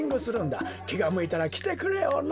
きがむいたらきてくれよな。